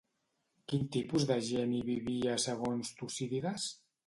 Quin tipus de gent hi vivia segons Tucídides?